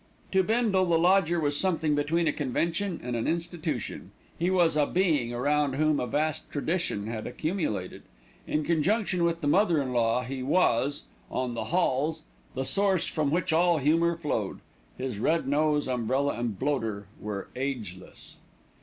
To Bindle the lodger was something between a convention and an institution. He was a being around whom a vast tradition had accumulated. In conjunction with the mother in law he was, "on the halls," the source from which all humour flowed. His red nose, umbrella and bloater were ageless.